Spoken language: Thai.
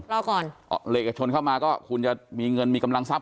รอก่อนเอกชนเข้ามาก็คุณจะมีเงินมีกำลังทรัพย